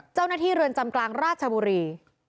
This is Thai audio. เจ้าหน้าที่เรือนจำกลางราชบุรี